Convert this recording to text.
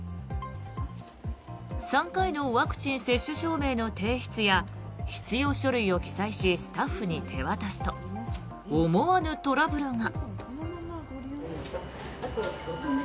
３回のワクチン接種証明の提出や必要書類を記載しスタッフに手渡すと思わぬトラブルが。